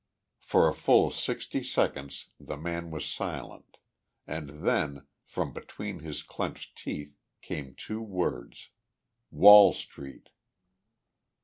For a full sixty seconds the man was silent and then, from between his clenched teeth, came two words, "Wall Street."